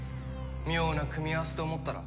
妙な組み合わせと思ったら。